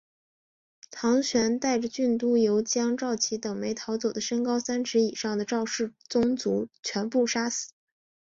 唐玹带着郡督邮将赵岐等没逃走的身高三尺以上的赵氏宗族全部杀死。